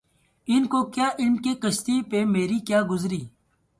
ان کو کیا علم کہ کشتی پہ مری کیا گزری